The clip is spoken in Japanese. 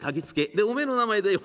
でおめえの名前でよ